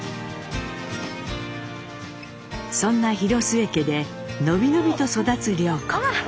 そんな広末家で伸び伸びと育つ涼子。